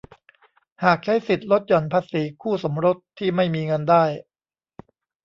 หากใช้สิทธิ์ลดหย่อนภาษีคู่สมรสที่ไม่มีเงินได้